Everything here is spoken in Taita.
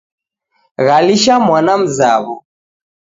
Ghalisha mwana mzaw'o